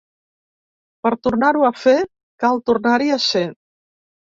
Per tornar-ho a fer, cal tornar-hi a ser.